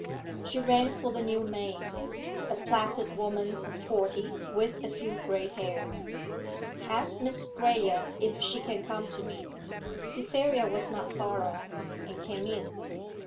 She rang for the new maid, a placid woman of forty with a few grey hairs. 'Ask Miss Graye if she can come to me.' Cytherea was not far off, and came in.